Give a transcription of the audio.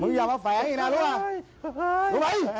มึงยอมจะแฝงให้นี่นะ